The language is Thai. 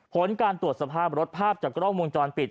ผลการตรวจสภาพรถภาพจากกล้องวงจรปิด